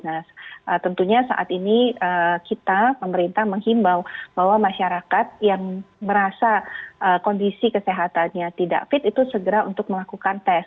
nah tentunya saat ini kita pemerintah menghimbau bahwa masyarakat yang merasa kondisi kesehatannya tidak fit itu segera untuk melakukan tes